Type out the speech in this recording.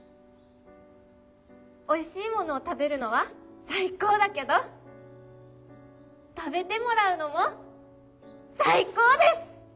おいしいものを食べるのは最高だけど食べてもらうのも最高です！